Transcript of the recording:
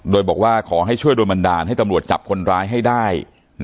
โดยบอกว่าขอให้ช่วยโดนบันดาลให้ตำรวจจับคนร้ายให้ได้